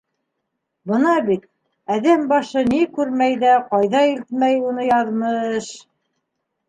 Бына бит, әҙәм башы ни күрмәй ҙә ҡайҙа илтмәй уны яҙмыш...